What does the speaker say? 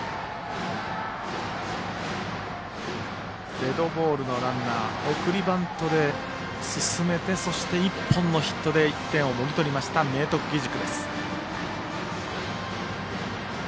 デッドボールのランナー送りバントで進めてそして、１本のヒットで１点をもぎ取りました明徳義塾。